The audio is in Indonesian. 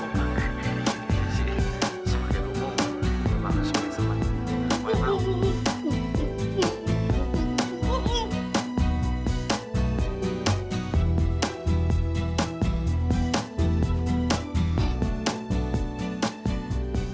ini tempat kumpul